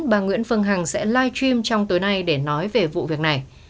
bà nguyễn phương hằng sẽ live stream trong tối nay để nói về vụ việc này